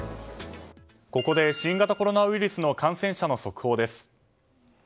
ここで新型コロナウイルスの感染者の速報です。